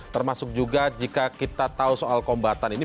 termasuk juga jika kita tahu soal kombatan ini